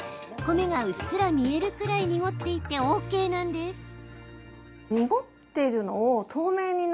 米がうっすら見えるくらい濁っていてＯＫなんです。